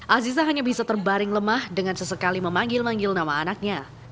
aziza hanya bisa terbaring lemah dengan sesekali memanggil manggil nama anaknya